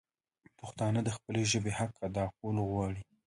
پښتانه د خپلي ژبي حق ادا کول غواړي